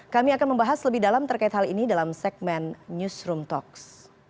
kami akan membahas lebih dalam terkait hal ini dalam segmen newsroom talks